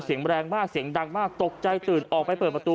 เสียงแรงมากเสียงดังมากตกใจตื่นออกไปเปิดประตู